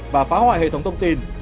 và phá hoại hệ thống thông tin